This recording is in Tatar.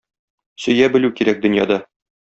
Сөя белү кирәк дөньяда...